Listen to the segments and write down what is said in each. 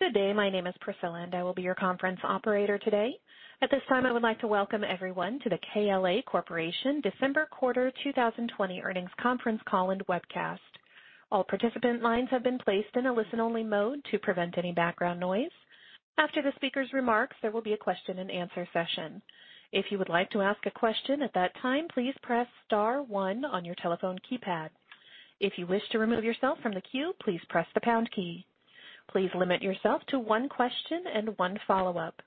Good day. My name is Priscilla, and I will be your conference operator today. At this time, I would like to welcome everyone to the KLA Corporation December Quarter 2020 Earnings Conference Call and Webcast. All participant lines have been placed in a listen-only mode to prevent any background noise. After the speaker's remarks, there will be a question and answer session. If you would like to ask a question at that time, please press star one on your telephone keypad. If you wish to remove yourself from the queue, please press the pound key. Please limit yourself to one question and one follow-up.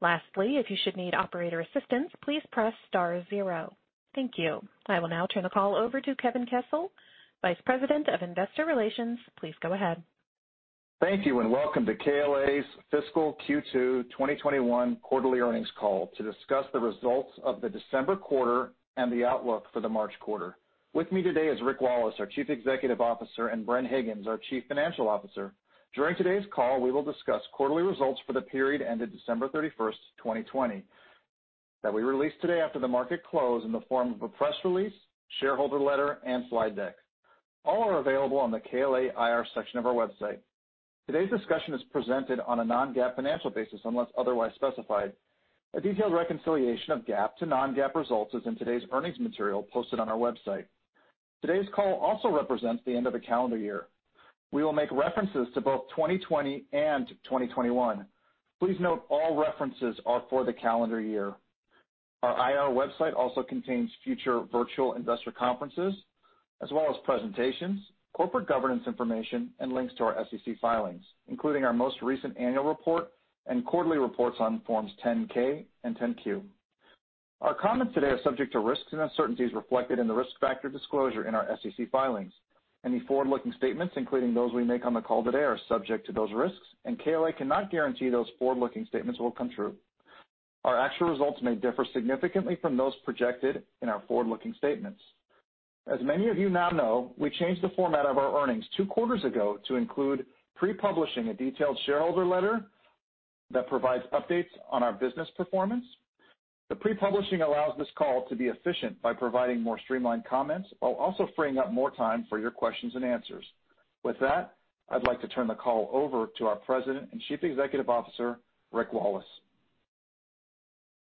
Lastly, if you should need operator assistance, please press star zero. Thank you. I will now turn the call over to Kevin Kessel, Vice President of Investor Relations. Please go ahead. Thank you. Welcome to KLA's Fiscal Q2 2021 Quarterly Earnings Call to discuss the results of the December quarter and the outlook for the March quarter. With me today is Rick Wallace, our Chief Executive Officer, and Bren Higgins, our Chief Financial Officer. During today's call, we will discuss quarterly results for the period ended December 31st, 2020, that we released today after the market close in the form of a press release, shareholder letter, and slide deck. All are available on the KLA IR section of our website. Today's discussion is presented on a non-GAAP financial basis unless otherwise specified. A detailed reconciliation of GAAP to non-GAAP results is in today's earnings material posted on our website. Today's call also represents the end of the calendar year. We will make references to both 2020 and 2021. Please note all references are for the calendar year. Our IR website also contains future virtual investor conferences, as well as presentations, corporate governance information, and links to our SEC filings, including our most recent annual report and quarterly reports on forms 10-K and 10-Q. Our comments today are subject to risks and uncertainties reflected in the risk factor disclosure in our SEC filings. Any forward-looking statements, including those we make on the call today, are subject to those risks, and KLA cannot guarantee those forward-looking statements will come true. Our actual results may differ significantly from those projected in our forward-looking statements. As many of you now know, we changed the format of our earnings two quarters ago to include pre-publishing a detailed shareholder letter that provides updates on our business performance. The pre-publishing allows this call to be efficient by providing more streamlined comments while also freeing up more time for your questions and answers. With that, I'd like to turn the call over to our President and Chief Executive Officer, Rick Wallace.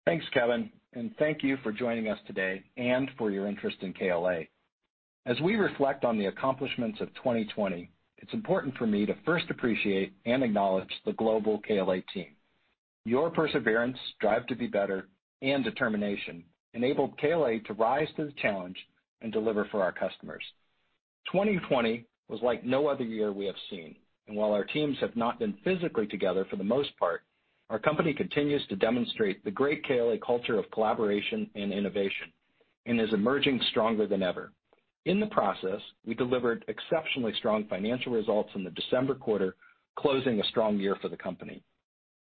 Thanks, Kevin, and thank you for joining us today and for your interest in KLA. As we reflect on the accomplishments of 2020, it's important for me to first appreciate and acknowledge the global KLA team. Your perseverance, drive to be better, and determination enabled KLA to rise to the challenge and deliver for our customers. 2020 was like no other year we have seen, and while our teams have not been physically together for the most part, our company continues to demonstrate the great KLA culture of collaboration and innovation and is emerging stronger than ever. In the process, we delivered exceptionally strong financial results in the December quarter, closing a strong year for the company.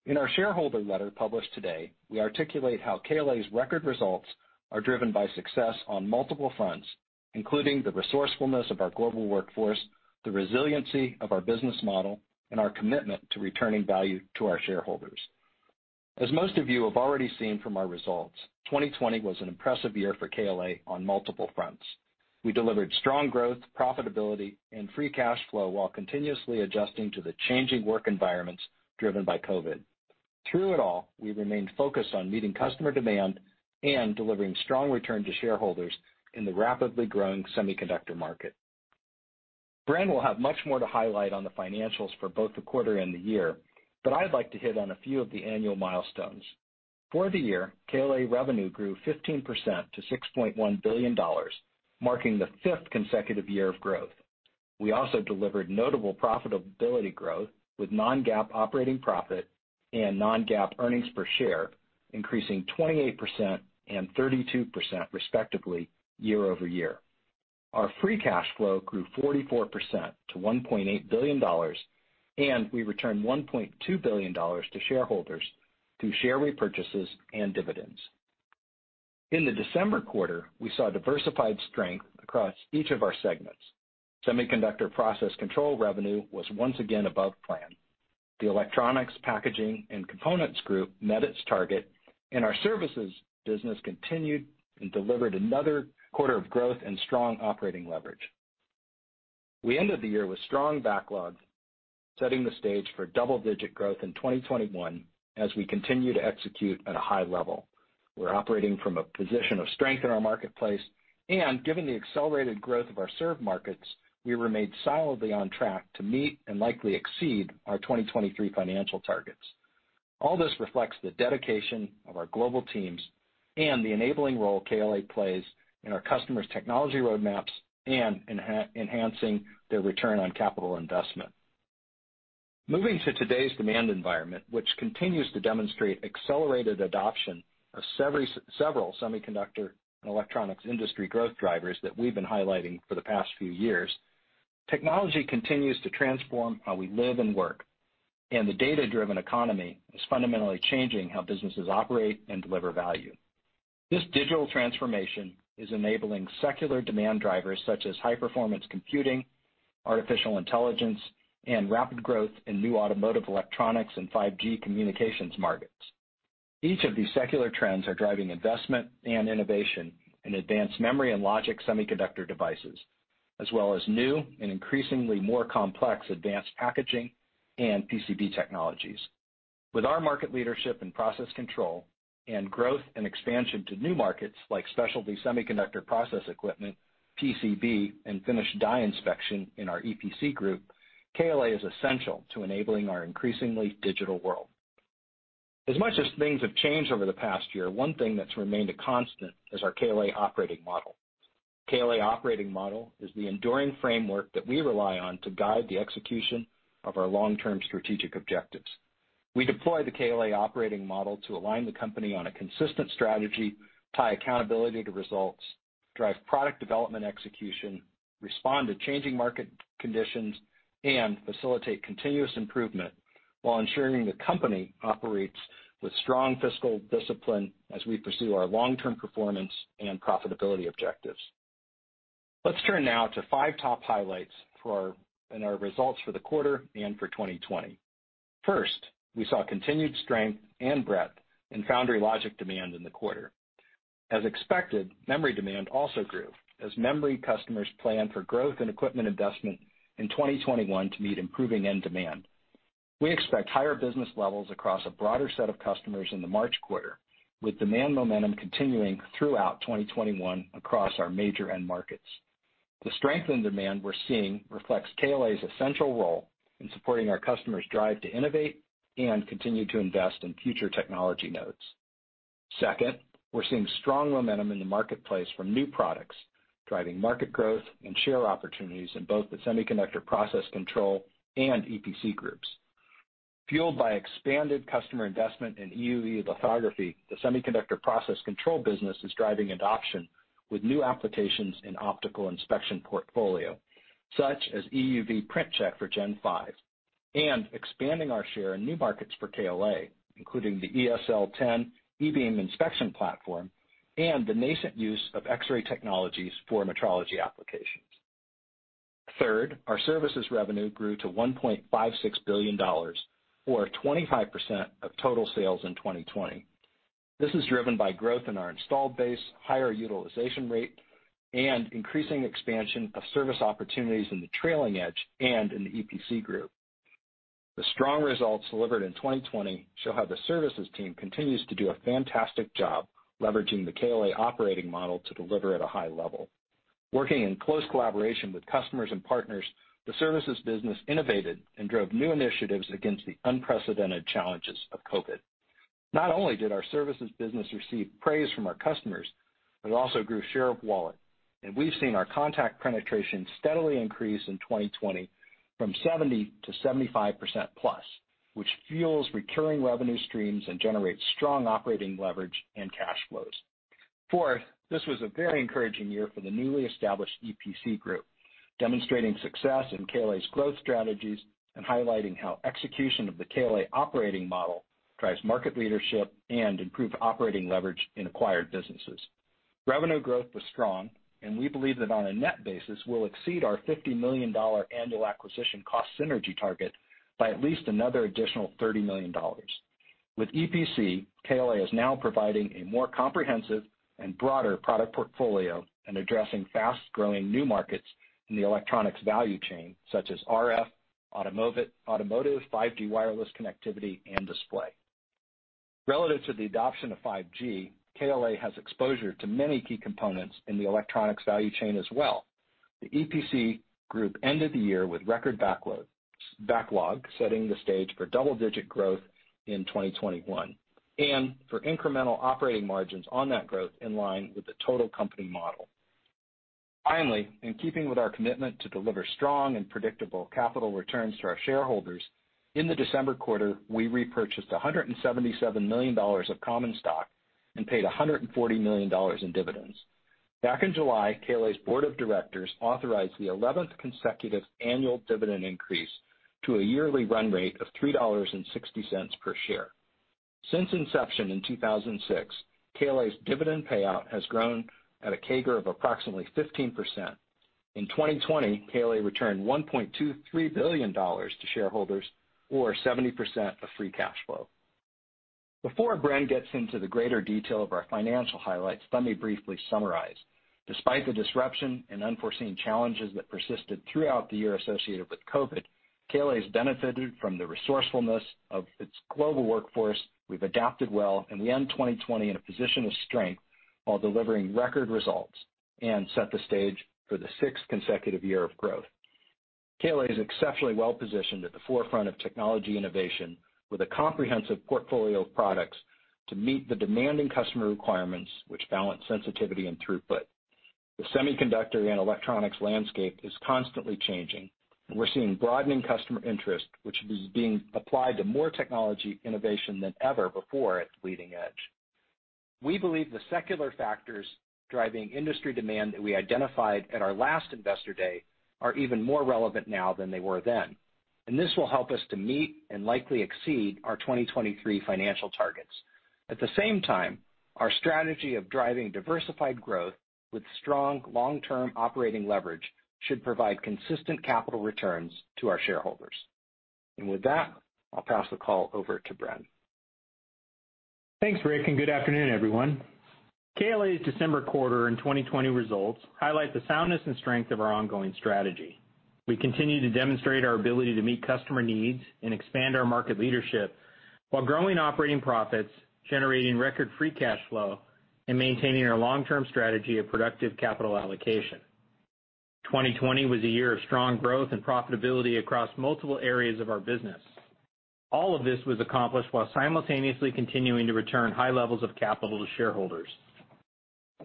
In our shareholder letter published today, we articulate how KLA's record results are driven by success on multiple fronts, including the resourcefulness of our global workforce, the resiliency of our business model, and our commitment to returning value to our shareholders. As most of you have already seen from our results, 2020 was an impressive year for KLA on multiple fronts. We delivered strong growth, profitability, and free cash flow while continuously adjusting to the changing work environments driven by COVID. Through it all, we remained focused on meeting customer demand and delivering strong return to shareholders in the rapidly growing semiconductor market. Bren will have much more to highlight on the financials for both the quarter and the year. I'd like to hit on a few of the annual milestones. For the year, KLA revenue grew 15% to $6.1 billion, marking the fifth consecutive year of growth. We also delivered notable profitability growth with non-GAAP operating profit and non-GAAP earnings per share, increasing 28% and 32% respectively year-over-year. Our free cash flow grew 44% to $1.8 billion. We returned $1.2 billion to shareholders through share repurchases and dividends. In the December quarter, we saw diversified strength across each of our segments. Semiconductor process control revenue was once again above plan. The electronics packaging and components group met its target, and our services business continued and delivered another quarter of growth and strong operating leverage. We ended the year with strong backlogs, setting the stage for double-digit growth in 2021 as we continue to execute at a high level. We're operating from a position of strength in our marketplace, and given the accelerated growth of our served markets, we remained solidly on track to meet and likely exceed our 2023 financial targets. All this reflects the dedication of our global teams and the enabling role KLA plays in our customers' technology roadmaps and in enhancing their return on capital investment. Moving to today's demand environment, which continues to demonstrate accelerated adoption of several semiconductor and electronics industry growth drivers that we've been highlighting for the past few years. Technology continues to transform how we live and work, and the data-driven economy is fundamentally changing how businesses operate and deliver value. This digital transformation is enabling secular demand drivers such as high-performance computing, artificial intelligence, and rapid growth in new automotive electronics and 5G communications markets. Each of these secular trends are driving investment and innovation in advanced memory and logic semiconductor devices, as well as new and increasingly more complex advanced packaging and PCB technologies. With our market leadership in process control and growth and expansion to new markets like specialty semiconductor process equipment, PCB, and finished die inspection in our EPC group, KLA is essential to enabling our increasingly digital world. As much as things have changed over the past year, one thing that's remained a constant is our KLA Operating Model. KLA Operating Model is the enduring framework that we rely on to guide the execution of our long-term strategic objectives. We deploy the KLA Operating Model to align the company on a consistent strategy, tie accountability to results, drive product development execution, respond to changing market conditions, and facilitate continuous improvement while ensuring the company operates with strong fiscal discipline as we pursue our long-term performance and profitability objectives. Let's turn now to five top highlights in our results for the quarter and for 2020. We saw continued strength and breadth in foundry logic demand in the quarter. As expected, memory demand also grew as memory customers plan for growth and equipment investment in 2021 to meet improving end demand. We expect higher business levels across a broader set of customers in the March quarter, with demand momentum continuing throughout 2021 across our major end markets. The strength in demand we're seeing reflects KLA's essential role in supporting our customers' drive to innovate and continue to invest in future technology nodes. We're seeing strong momentum in the marketplace for new products, driving market growth and share opportunities in both the semiconductor process control and EPC groups. Fueled by expanded customer investment in EUV lithography, the semiconductor process control business is driving adoption with new applications in optical inspection portfolio, such as EUV Print Check for Gen5, and expanding our share in new markets for KLA, including the eSL10 e-beam inspection platform and the nascent use of X-ray technologies for metrology applications. Third, our services revenue grew to $1.56 billion, or 25% of total sales in 2020. This is driven by growth in our installed base, higher utilization rate, and increasing expansion of service opportunities in the trailing edge and in the EPC group. The strong results delivered in 2020 show how the services team continues to do a fantastic job leveraging the KLA Operating Model to deliver at a high level. Working in close collaboration with customers and partners, the services business innovated and drove new initiatives against the unprecedented challenges of COVID. Not only did our services business receive praise from our customers, it also grew share of wallet, and we've seen our contract penetration steadily increase in 2020 from 70%-75% plus, which fuels recurring revenue streams and generates strong operating leverage and cash flows. Fourth, this was a very encouraging year for the newly established EPC group, demonstrating success in KLA's growth strategies and highlighting how execution of the KLA Operating Model drives market leadership and improved operating leverage in acquired businesses. Revenue growth was strong, and we believe that on a net basis, we'll exceed our $50 million annual acquisition cost synergy target by at least another additional $30 million. With EPC, KLA is now providing a more comprehensive and broader product portfolio and addressing fast-growing new markets in the electronics value chain, such as RF, automotive, 5G wireless connectivity, and display. Relative to the adoption of 5G, KLA has exposure to many key components in the electronics value chain as well. The EPC group ended the year with record backlog, setting the stage for double-digit growth in 2021, and for incremental operating margins on that growth in line with the total company model. In keeping with our commitment to deliver strong and predictable capital returns to our shareholders, in the December quarter, we repurchased $177 million of common stock and paid $140 million in dividends. Back in July, KLA's board of directors authorized the 11th consecutive annual dividend increase to a yearly run rate of $3.60 per share. Since inception in 2006, KLA's dividend payout has grown at a CAGR of approximately 15%. In 2020, KLA returned $1.23 billion to shareholders, or 70% of free cash flow. Before Bren gets into the greater detail of our financial highlights, let me briefly summarize. Despite the disruption and unforeseen challenges that persisted throughout the year associated with COVID, KLA has benefited from the resourcefulness of its global workforce. We've adapted well, and we end 2020 in a position of strength while delivering record results, and set the stage for the sixth consecutive year of growth. KLA is exceptionally well-positioned at the forefront of technology innovation with a comprehensive portfolio of products to meet the demanding customer requirements which balance sensitivity and throughput. The semiconductor and electronics landscape is constantly changing, and we're seeing broadening customer interest, which is being applied to more technology innovation than ever before at the leading edge. We believe the secular factors driving industry demand that we identified at our last Investor Day are even more relevant now than they were then, and this will help us to meet and likely exceed our 2023 financial targets. At the same time, our strategy of driving diversified growth with strong long-term operating leverage should provide consistent capital returns to our shareholders. With that, I'll pass the call over to Bren. Thanks, Rick. Good afternoon, everyone. KLA's December quarter and 2020 results highlight the soundness and strength of our ongoing strategy. We continue to demonstrate our ability to meet customer needs and expand our market leadership while growing operating profits, generating record free cash flow, and maintaining our long-term strategy of productive capital allocation. 2020 was a year of strong growth and profitability across multiple areas of our business. All of this was accomplished while simultaneously continuing to return high levels of capital to shareholders.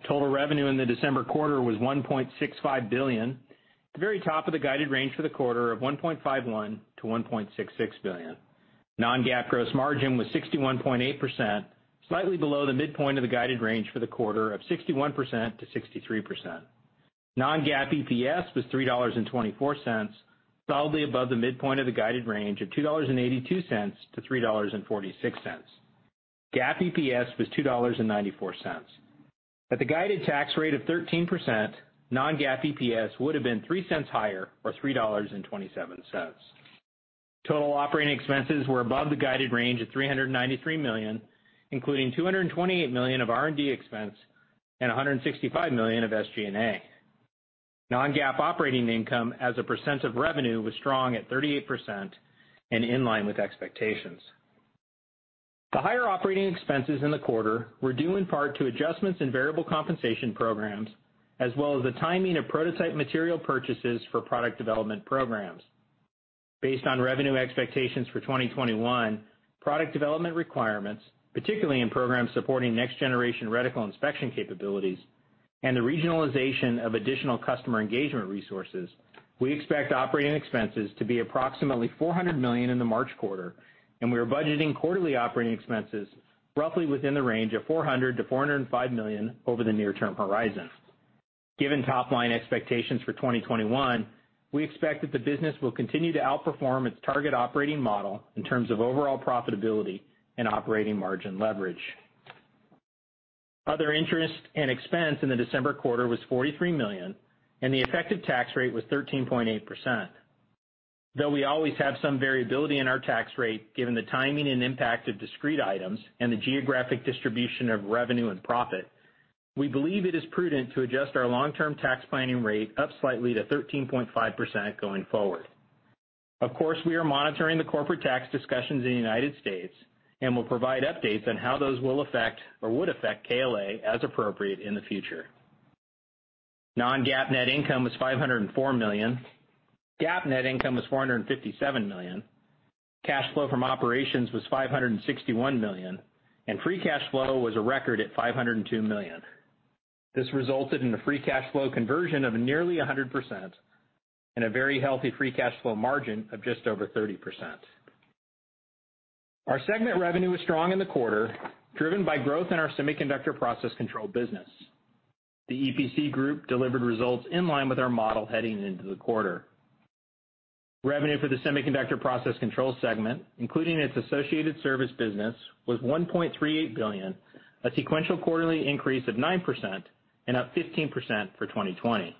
Total revenue in the December quarter was $1.65 billion, the very top of the guided range for the quarter of $1.51 billion-$1.66 billion. Non-GAAP gross margin was 61.8%, slightly below the midpoint of the guided range for the quarter of 61%-63%. Non-GAAP EPS was $3.24, solidly above the midpoint of the guided range of $2.82-$3.46. GAAP EPS was $2.94. At the guided tax rate of 13%, non-GAAP EPS would have been $0.03 higher or $3.27. Total operating expenses were above the guided range of $393 million, including $228 million of R&D expense and $165 million of SG&A. Non-GAAP operating income as a percent of revenue was strong at 38% and in line with expectations. The higher operating expenses in the quarter were due in part to adjustments in variable compensation programs, as well as the timing of prototype material purchases for product development programs. Based on revenue expectations for 2021, product development requirements, particularly in programs supporting next-generation reticle inspection capabilities and the regionalization of additional customer engagement resources, we expect operating expenses to be approximately $400 million in the March quarter, and we are budgeting quarterly operating expenses roughly within the range of $400 million-$405 million over the near-term horizon. Given top-line expectations for 2021, we expect that the business will continue to outperform its target operating model in terms of overall profitability and operating margin leverage. Other interest and expense in the December quarter was $43 million, and the effective tax rate was 13.8%. Though we always have some variability in our tax rate, given the timing and impact of discrete items and the geographic distribution of revenue and profit, we believe it is prudent to adjust our long-term tax planning rate up slightly to 13.5% going forward. Of course, we are monitoring the corporate tax discussions in the United States and will provide updates on how those will affect or would affect KLA as appropriate in the future. Non-GAAP net income was $504 million, GAAP net income was $457 million, cash flow from operations was $561 million, and free cash flow was a record at $502 million. This resulted in a free cash flow conversion of nearly 100% and a very healthy free cash flow margin of just over 30%. Our segment revenue was strong in the quarter, driven by growth in our semiconductor process control business. The EPC Group delivered results in line with our model heading into the quarter. Revenue for the semiconductor process control segment, including its associated service business, was $1.38 billion, a sequential quarterly increase of 9% and up 15% for 2020.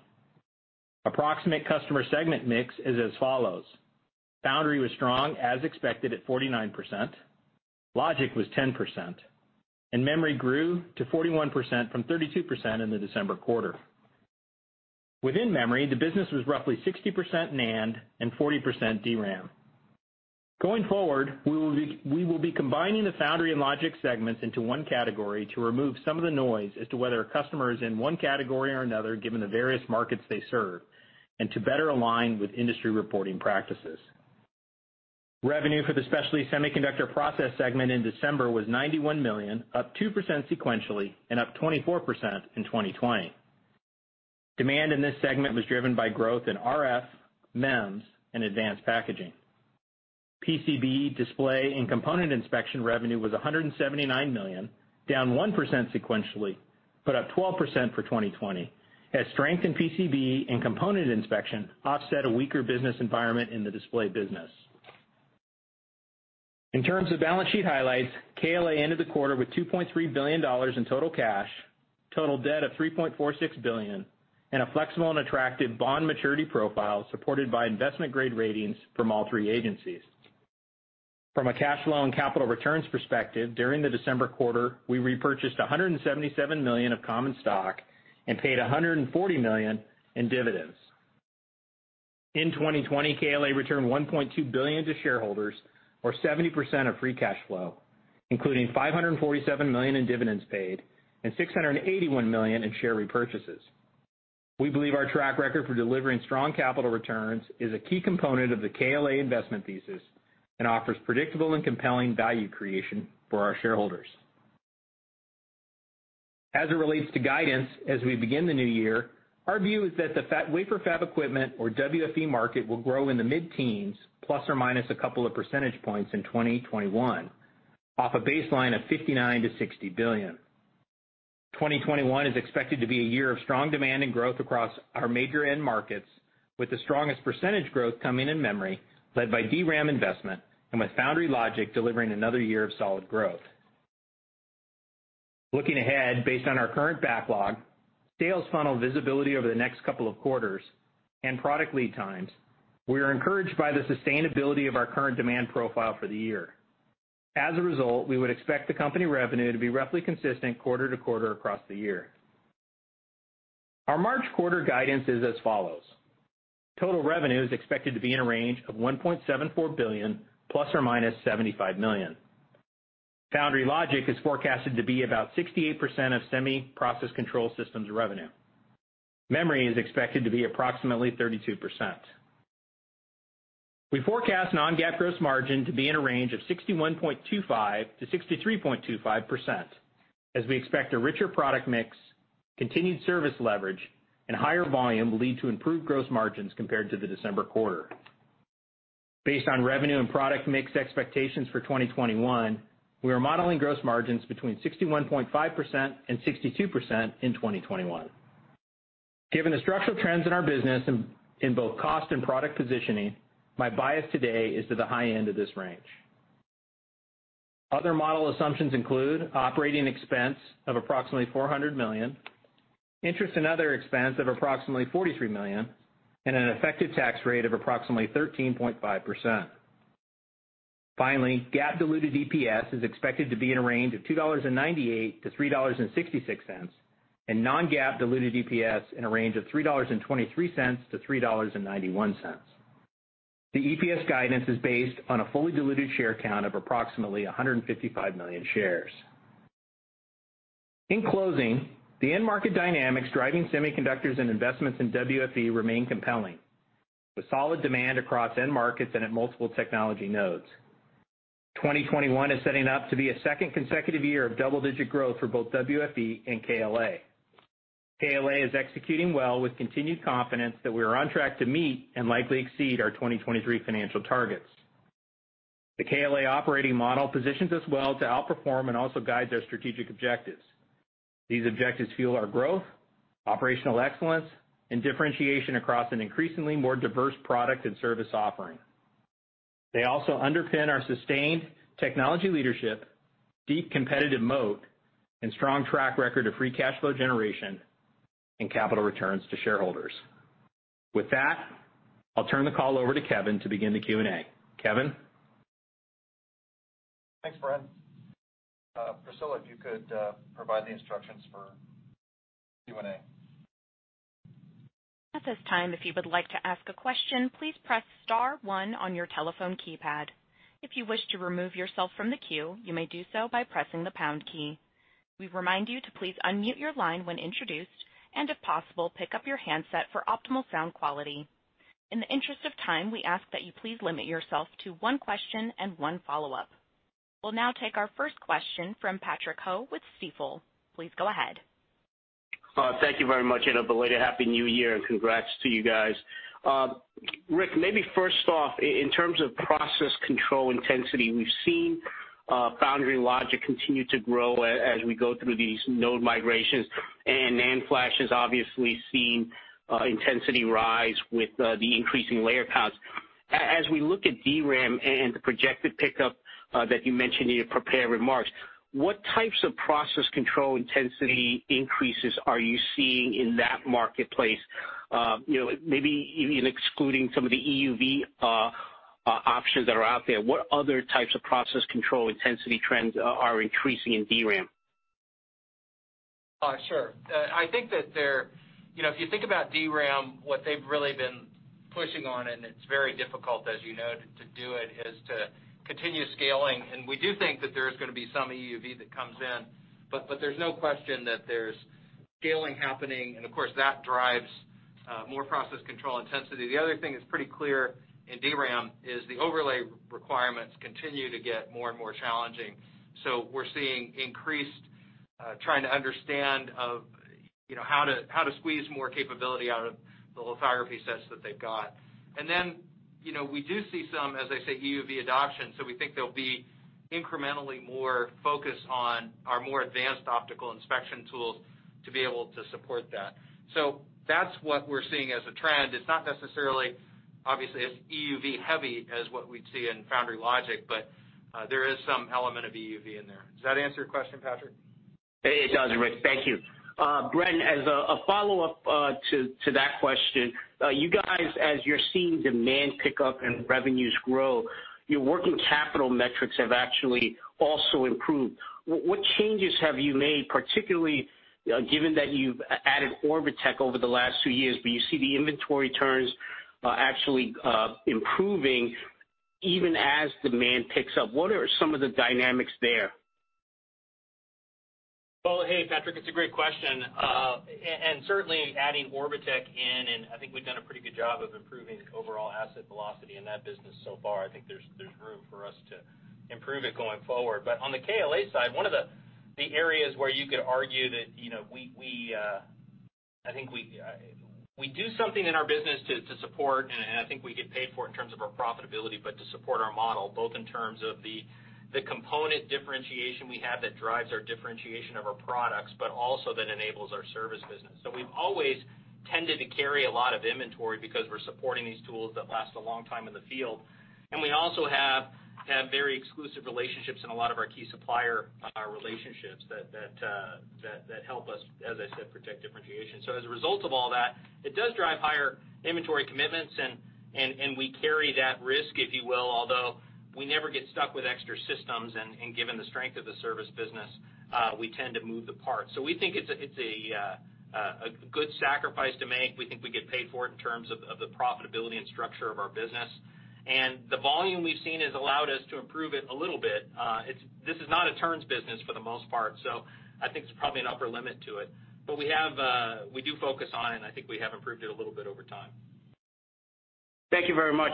Approximate customer segment mix is as follows. Foundry was strong, as expected, at 49%, logic was 10%, and memory grew to 41% from 32% in the December quarter. Within memory, the business was roughly 60% NAND and 40% DRAM. Going forward, we will be combining the foundry and logic segments into one category to remove some of the noise as to whether a customer is in one category or another, given the various markets they serve, and to better align with industry reporting practices. Revenue for the Specialty Semiconductor Process segment in December was $91 million, up 2% sequentially and up 24% in 2020. Demand in this segment was driven by growth in RF, MEMS, and advanced packaging. PCB Display and Component Inspection revenue was $179 million, down 1% sequentially, but up 12% for 2020 as strength in PCB and component inspection offset a weaker business environment in the display business. In terms of balance sheet highlights, KLA ended the quarter with $2.3 billion in total cash, total debt of $3.46 billion, and a flexible and attractive bond maturity profile supported by investment-grade ratings from all three agencies. From a cash flow and capital returns perspective, during the December quarter, we repurchased $177 million of common stock and paid $140 million in dividends. In 2020, KLA returned $1.2 billion to shareholders or 70% of free cash flow, including $547 million in dividends paid and $681 million in share repurchases. We believe our track record for delivering strong capital returns is a key component of the KLA investment thesis and offers predictable and compelling value creation for our shareholders. As it relates to guidance as we begin the new year, our view is that the wafer fab equipment or WFE market will grow in the mid-teens, plus or minus a couple of percentage points in 2021 off a baseline of $59 billion-$60 billion. 2021 is expected to be a year of strong demand and growth across our major end markets, with the strongest percentage growth coming in memory, led by DRAM investment and with Foundry Logic delivering another year of solid growth. Looking ahead, based on our current backlog, sales funnel visibility over the next couple of quarters, and product lead times, we are encouraged by the sustainability of our current demand profile for the year. We would expect the company revenue to be roughly consistent quarter to quarter across the year. Our March quarter guidance is as follows. Total revenue is expected to be in a range of $1.74 billion ±$75 million. Foundry Logic is forecasted to be about 68% of semi-process control systems revenue. Memory is expected to be approximately 32%. We forecast non-GAAP gross margin to be in a range of 61.25%-63.25%, as we expect a richer product mix, continued service leverage, and higher volume will lead to improved gross margins compared to the December quarter. Based on revenue and product mix expectations for 2021, we are modeling gross margins between 61.5% and 62% in 2021. Given the structural trends in our business in both cost and product positioning, my bias today is to the high end of this range. Other model assumptions include operating expense of approximately $400 million, interest and other expense of approximately $43 million, and an effective tax rate of approximately 13.5%. GAAP diluted EPS is expected to be in a range of $2.98-$3.66, and non-GAAP diluted EPS in a range of $3.23-$3.91. The EPS guidance is based on a fully diluted share count of approximately 155 million shares. In closing, the end market dynamics driving semiconductors and investments in WFE remain compelling, with solid demand across end markets and at multiple technology nodes. 2021 is setting up to be a second consecutive year of double-digit growth for both WFE and KLA. KLA is executing well with continued confidence that we are on track to meet and likely exceed our 2023 financial targets. The KLA Operating Model positions us well to outperform and also guide our strategic objectives. These objectives fuel our growth, operational excellence, and differentiation across an increasingly more diverse product and service offering. They also underpin our sustained technology leadership, deep competitive moat, and strong track record of free cash flow generation and capital returns to shareholders. With that, I'll turn the call over to Kevin to begin the Q&A. Kevin? Thanks, Bren. Priscilla, if you could provide the instructions for Q&A. At this time if you would like to ask a question please press star one on your telephone keypad, if you wish to remove yourself from the queue you may do so by pressing the pound key. We remind to please unmute your line when introduced and the pass will pick up your handset for optimal sound quality. In the interest of time, we ask that you please limit yourself to one question and one follow-up. We'll now take our first question from Patrick Ho with Stifel. Please go ahead. Thank you very much, a belated Happy New Year and congrats to you guys. Rick, maybe first off, in terms of process control intensity, we've seen Foundry Logic continue to grow as we go through these node migrations, and NAND flash has obviously seen intensity rise with the increasing layer counts. As we look at DRAM and the projected pickup that you mentioned in your prepared remarks, what types of process control intensity increases are you seeing in that marketplace? Maybe even excluding some of the EUV options that are out there, what other types of process control intensity trends are increasing in DRAM? Sure. If you think about DRAM, what they've really been pushing on, and it's very difficult as you know, to do it, is to continue scaling. We do think that there is going to be some EUV that comes in, but there's no question that there's scaling happening. Of course, that drives more process control intensity. The other thing that's pretty clear in DRAM is the overlay requirements continue to get more and more challenging. We're seeing increased trying to understand how to squeeze more capability out of the lithography sets that they've got. Then, we do see some, as I say, EUV adoption. We think there'll be incrementally more focus on our more advanced optical inspection tools to be able to support that. That's what we're seeing as a trend. It's not necessarily, obviously as EUV-heavy as what we'd see in Foundry Logic, but there is some element of EUV in there. Does that answer your question, Patrick? It does, Rick. Thank you. Bren, as a follow-up to that question. You guys, as you're seeing demand pick up and revenues grow, your working capital metrics have actually also improved. What changes have you made, particularly given that you've added Orbotech over the last two years, but you see the inventory turns actually improving even as demand picks up? What are some of the dynamics there? Well, hey, Patrick, it's a great question. Certainly, adding Orbotech in, and I think we've done a pretty good job of improving overall asset velocity in that business so far. I think there's room for us to improve it going forward. On the KLA side, one of the areas where you could argue that we think we do something in our business to support, and I think we get paid for it in terms of our profitability, but to support our model, both in terms of the component differentiation we have that drives our differentiation of our products, but also that enables our service business. We've always tended to carry a lot of inventory because we're supporting these tools that last a long time in the field, and we also have very exclusive relationships in a lot of our key supplier relationships that help us, as I said, protect differentiation. As a result of all that, it does drive higher inventory commitments and we carry that risk, if you will. Although, we never get stuck with extra systems, and given the strength of the service business, we tend to move the parts. We think it's a good sacrifice to make. We think we get paid for it in terms of the profitability and structure of our business. The volume we've seen has allowed us to improve it a little bit. This is not a turns business for the most part, so I think there's probably an upper limit to it. We do focus on it, and I think we have improved it a little bit over time. Thank you very much.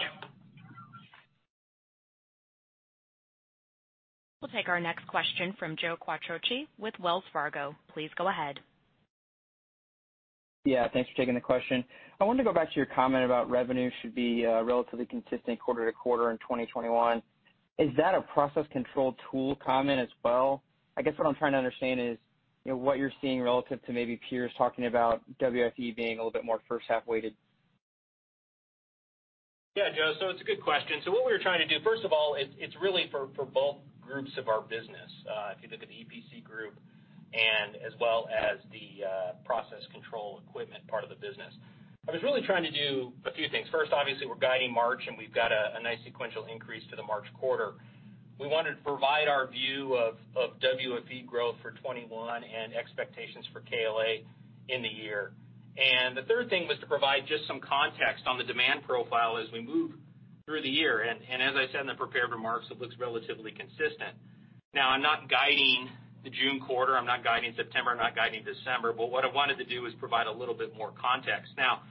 We'll take our next question from Joe Quatrochi with Wells Fargo. Please go ahead. Yeah, thanks for taking the question. I wanted to go back to your comment about revenue should be relatively consistent quarter to quarter in 2021. Is that a process control tool comment as well? I guess what I'm trying to understand is what you're seeing relative to maybe peers talking about WFE being a little bit more first half weighted. Yeah, Joe. It's a good question. What we were trying to do, first of all, it's really for both groups of our business. If you look at the EPC group as well as the process control equipment part of the business. I was really trying to do a few things. First, obviously, we're guiding March, and we've got a nice sequential increase to the March quarter. We wanted to provide our view of WFE growth for 2021 and expectations for KLA in the year. The third thing was to provide just some context on the demand profile as we move through the year. As I said in the prepared remarks, it looks relatively consistent. Now, I'm not guiding the June quarter, I'm not guiding September, I'm not guiding December, but what I wanted to do is provide a little bit more context. Now,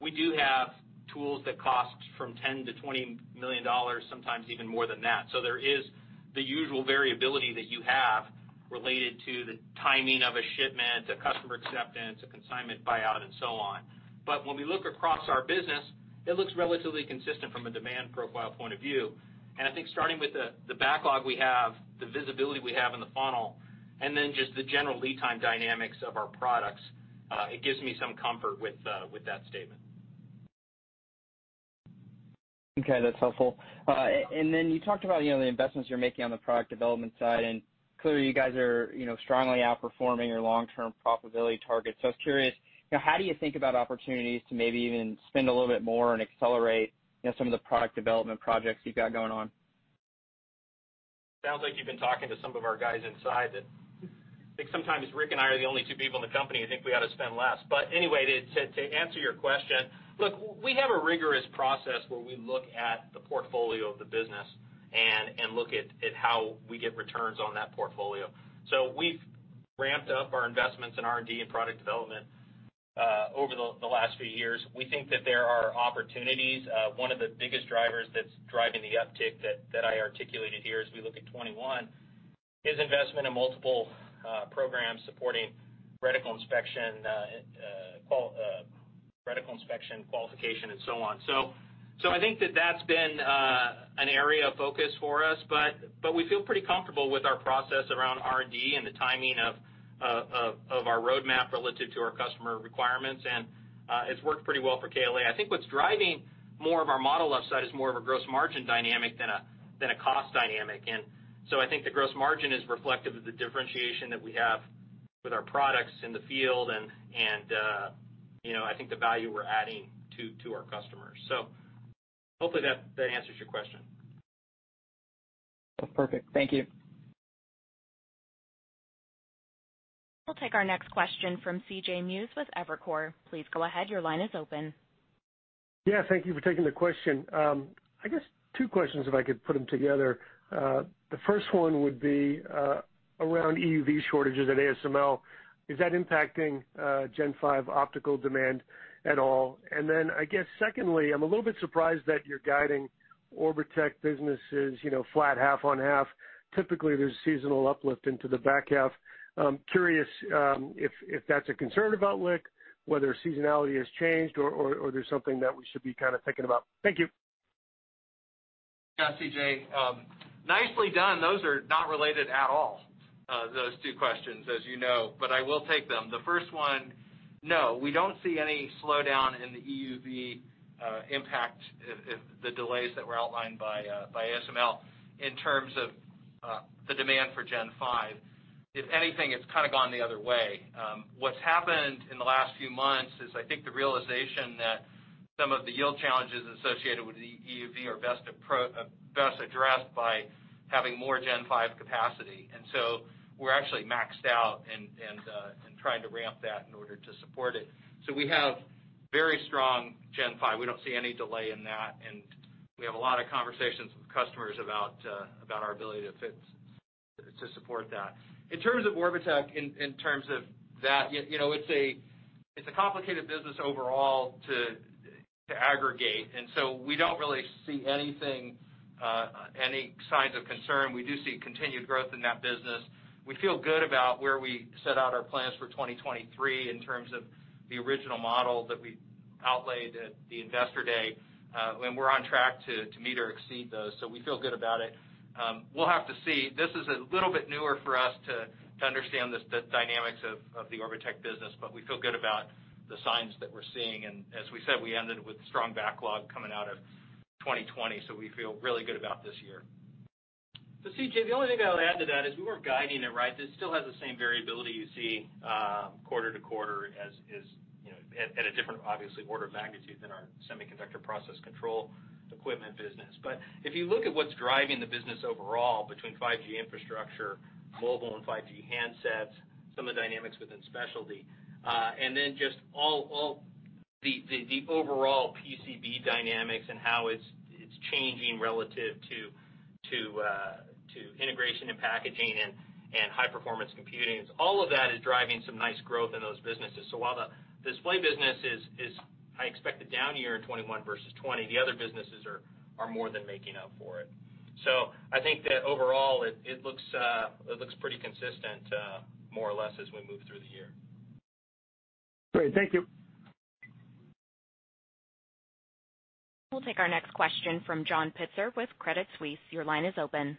we do have tools that cost from $10-$20 million, sometimes even more than that. There is the usual variability that you have related to the timing of a shipment, a customer acceptance, a consignment buyout, and so on. When we look across our business, it looks relatively consistent from a demand profile point of view. I think starting with the backlog we have, the visibility we have in the funnel, and then just the general lead time dynamics of our products, it gives me some comfort with that statement. Okay, that's helpful. You talked about the investments you're making on the product development side, and clearly you guys are strongly outperforming your long-term profitability targets. I was curious, how do you think about opportunities to maybe even spend a little bit more and accelerate some of the product development projects you've got going on? Sounds like you've been talking to some of our guys inside. I think sometimes Rick and I are the only two people in the company that think we ought to spend less. Anyway, to answer your question, look, we have a rigorous process where we look at the portfolio of the business and look at how we get returns on that portfolio. We've ramped up our investments in R&D and product development over the last few years. We think that there are opportunities. One of the biggest drivers that's driving the uptick that I articulated here as we look at 2021, is investment in multiple programs supporting reticle inspection qualification, and so on. I think that's been an area of focus for us, but we feel pretty comfortable with our process around R&D and the timing of our roadmap relative to our customer requirements, and it's worked pretty well for KLA. I think what's driving more of our model upside is more of a gross margin dynamic than a cost dynamic. I think the gross margin is reflective of the differentiation that we have with our products in the field and I think the value we're adding to our customers. Hopefully that answers your question. That's perfect. Thank you. We'll take our next question from CJ Muse with Evercore. Please go ahead. Your line is open. Yeah, thank you for taking the question. I guess two questions if I could put them together. The first one would be around EUV shortages at ASML. Is that impacting Gen5 optical demand at all? I guess secondly, I'm a little bit surprised that you're guiding Orbotech business is flat half on half. Typically, there's seasonal uplift into the back half. I'm curious if that's a concern about LICK, whether seasonality has changed or there's something that we should be kind of thinking about. Thank you. Yeah, CJ. Nicely done. Those are not related at all, those two questions, as you know. I will take them. First one, no, we don't see any slowdown in the EUV impact, the delays that were outlined by ASML in terms of the demand for Gen5. If anything, it's kind of gone the other way. What's happened in the last few months is, I think the realization that some of the yield challenges associated with EUV are best addressed by having more Gen5 capacity. We're actually maxed out and trying to ramp that in order to support it. We have very strong Gen5. We don't see any delay in that, and we have a lot of conversations with customers about our ability to support that. In terms of Orbotech, in terms of that, it's a complicated business overall to Aggregate. We don't really see any signs of concern. We do see continued growth in that business. We feel good about where we set out our plans for 2023 in terms of the original model that we outlaid at the Investor Day. We're on track to meet or exceed those. We feel good about it. We'll have to see. This is a little bit newer for us to understand the dynamics of the Orbotech business. We feel good about the signs that we're seeing. As we said, we ended with strong backlog coming out of 2020. We feel really good about this year. CJ, the only thing that I would add to that is we weren't guiding it, right? This still has the same variability you see quarter to quarter at a different, obviously, order of magnitude than our semiconductor process control equipment business. If you look at what's driving the business overall between 5G infrastructure, mobile and 5G handsets, some of the dynamics within specialty, and then just all the overall PCB dynamics and how it's changing relative to integration and packaging and high-performance computing. All of that is driving some nice growth in those businesses. While the display business is, I expect, a down year in 2021 versus 2020, the other businesses are more than making up for it. I think that overall, it looks pretty consistent, more or less, as we move through the year. Great. Thank you. We'll take our next question from John Pitzer with Credit Suisse. Your line is open.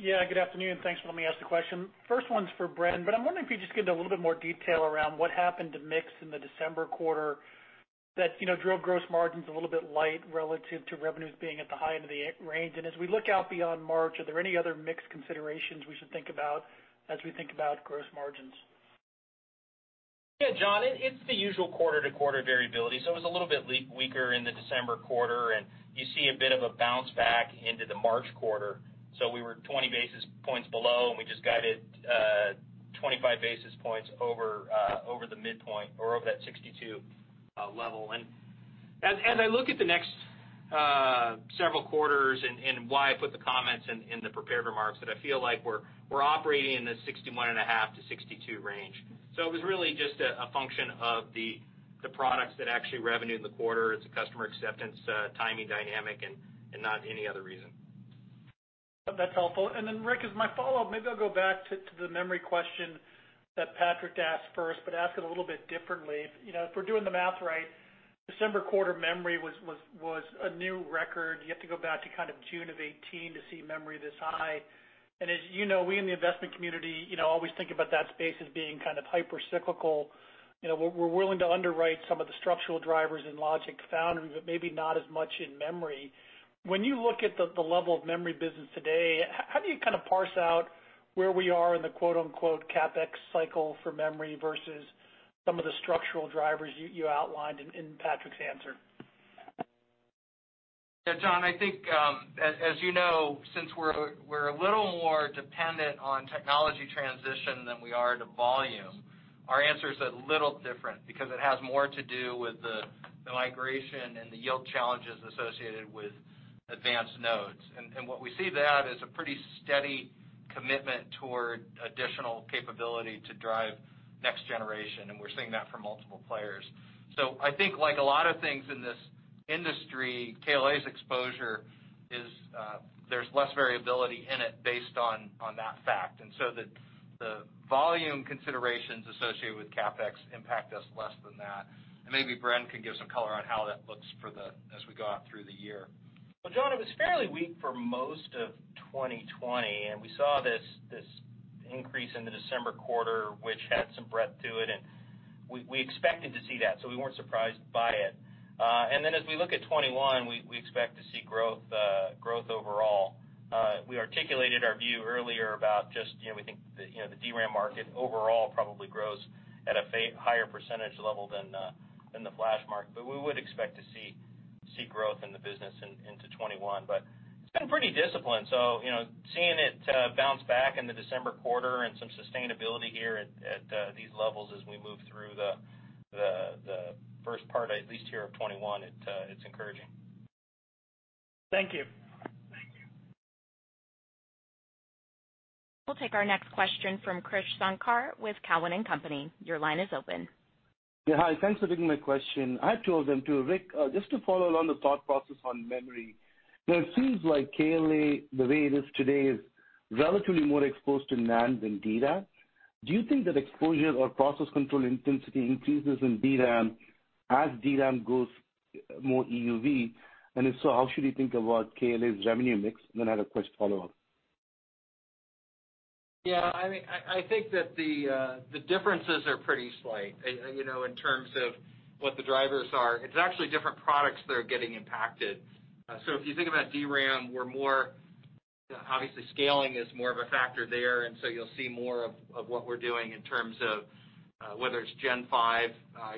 Good afternoon. Thanks for letting me ask the question. First one's for Bren, I'm wondering if you could just give a little bit more detail around what happened to mix in the December quarter that drove gross margins a little bit light relative to revenues being at the high end of the range. As we look out beyond March, are there any other mix considerations we should think about as we think about gross margins? Yeah, John, it's the usual quarter-to-quarter variability. It was a little bit weaker in the December quarter, and you see a bit of a bounce back into the March quarter. We were 20 basis points below, and we just guided 25 basis points over the midpoint or over that 62 level. As I look at the next several quarters and why I put the comments in the prepared remarks, that I feel like we're operating in the 61.5-62 range. It was really just a function of the products that actually revenued the quarter. It's a customer acceptance timing dynamic and not any other reason. That's helpful. Then Rick, as my follow-up, maybe I'll go back to the memory question that Patrick asked first, but ask it a little bit differently. If we're doing the math right, December quarter memory was a new record. You have to go back to June of 2018 to see memory this high. As you know, we in the investment community always think about that space as being kind of hyper cyclical. We're willing to underwrite some of the structural drivers in logic foundry, but maybe not as much in memory. When you look at the level of memory business today, how do you kind of parse out where we are in the quote-unquote, "CapEx cycle" for memory versus some of the structural drivers you outlined in Patrick's answer? Yeah, John, I think, as you know, since we're a little more dependent on technology transition than we are to volume, our answer is a little different because it has more to do with the migration and the yield challenges associated with advanced nodes. What we see that is a pretty steady commitment toward additional capability to drive next generation, and we're seeing that from multiple players. I think like a lot of things in this industry, KLA's exposure is there's less variability in it based on that fact. The volume considerations associated with CapEx impact us less than that. Maybe Bren can give some color on how that looks as we go out through the year. Well, John, it was fairly weak for most of 2020, and we saw this increase in the December quarter, which had some breadth to it, and we expected to see that, so we weren't surprised by it. As we look at 2021, we expect to see growth overall. We articulated our view earlier about just we think the DRAM market overall probably grows at a higher percentage level than the flash market. We would expect to see growth in the business into 2021. It's been pretty disciplined. Seeing it bounce back in the December quarter and some sustainability here at these levels as we move through the first part, at least here of 2021, it's encouraging. Thank you. We'll take our next question from Krish Sankar with Cowen and Company. Your line is open. Yeah. Hi. Thanks for taking my question. I have two of them, too. Rick, just to follow along the thought process on memory. It seems like KLA, the way it is today, is relatively more exposed to NAND than DRAM. Do you think that exposure or process control intensity increases in DRAM as DRAM goes more EUV? If so, how should we think about KLA's revenue mix? I had a follow-up. Yeah, I think that the differences are pretty slight in terms of what the drivers are. It's actually different products that are getting impacted. If you think about DRAM, obviously scaling is more of a factor there, and so you'll see more of what we're doing in terms of whether it's Gen5.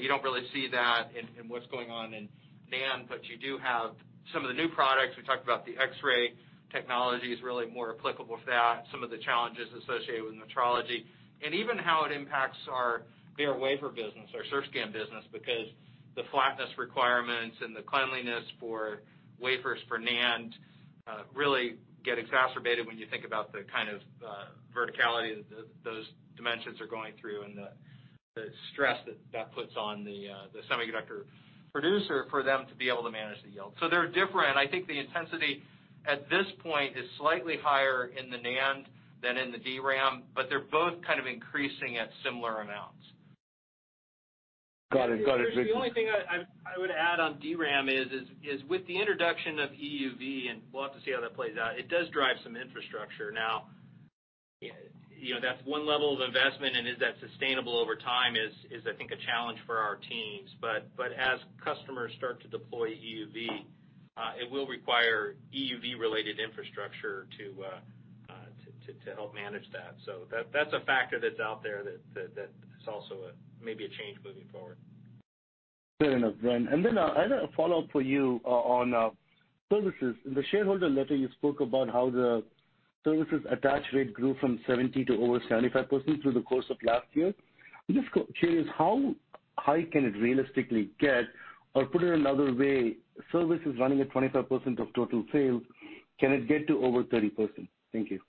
You don't really see that in what's going on in NAND, but you do have some of the new products. We talked about the X-ray technology is really more applicable for that, some of the challenges associated with metrology, and even how it impacts our bare wafer business, our Surfscan business, because the flatness requirements and the cleanliness for wafers for NAND really get exacerbated when you think about the kind of verticality that those dimensions are going through and the stress that puts on the semiconductor producer for them to be able to manage the yield. They're different. I think the intensity at this point is slightly higher in the NAND than in the DRAM, but they're both kind of increasing at similar amounts. Got it. The only thing I would add on DRAM is, with the introduction of EUV, and we'll have to see how that plays out, it does drive some infrastructure. That's one level of investment, and is that sustainable over time is, I think a challenge for our teams. As customers start to deploy EUV, it will require EUV-related infrastructure to help manage that. That's a factor that's out there that is also maybe a change moving forward. Fair enough, Bren. I had a follow-up for you on services. In the shareholder letter, you spoke about how the services attach rate grew from 70 to over 75% through the course of last year. I'm just curious how high can it realistically get, or put it another way, service is running at 25% of total sales. Can it get to over 30%? Thank you.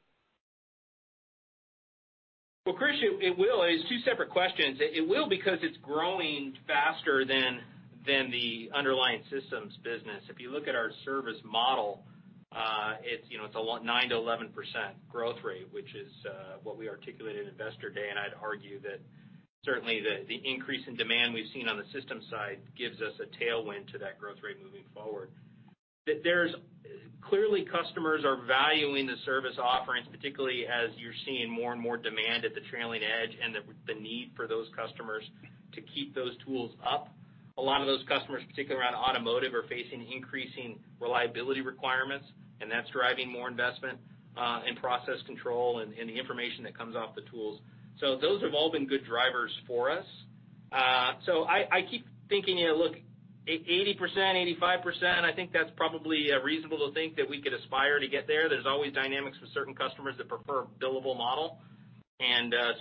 Well, Krish, it will. It's two separate questions. It will because it's growing faster than the underlying systems business. If you look at our service model, it's a 9%-11% growth rate, which is what we articulated at Investor Day, and I'd argue that certainly the increase in demand we've seen on the systems side gives us a tailwind to that growth rate moving forward. Clearly, customers are valuing the service offerings, particularly as you're seeing more and more demand at the trailing edge and the need for those customers to keep those tools up. A lot of those customers, particularly around automotive, are facing increasing reliability requirements, and that's driving more investment in process control and the information that comes off the tools. Those have all been good drivers for us. I keep thinking, look, 80%, 85%, I think that's probably reasonable to think that we could aspire to get there. There's always dynamics with certain customers that prefer a billable model.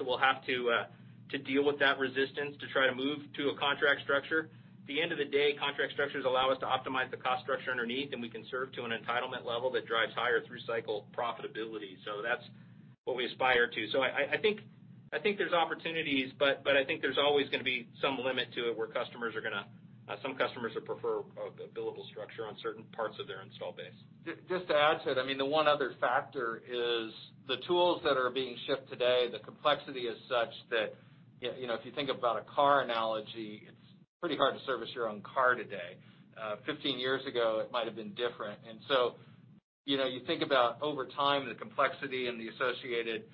We'll have to deal with that resistance to try to move to a contract structure. At the end of the day, contract structures allow us to optimize the cost structure underneath, and we can serve to an entitlement level that drives higher through-cycle profitability. That's what we aspire to. I think there's opportunities, but I think there's always going to be some limit to it where some customers would prefer a billable structure on certain parts of their install base. Just to add to it, the one other factor is the tools that are being shipped today, the complexity is such that, if you think about a car analogy, it's pretty hard to service your own car today. 15 years ago, it might have been different. You think about over time, the complexity and the associated,